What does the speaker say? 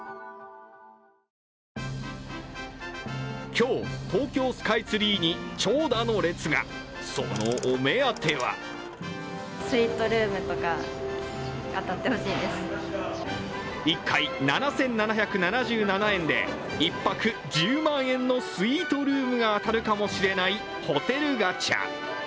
今日、東京スカイツリーに長蛇の列が、そのお目当ては１回７７７７円で１泊１０万円のスイートルームが当たるかもしれないホテルガチャ。